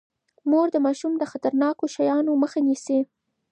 مور د ماشوم د خطرناکو شيانو مخه نيسي.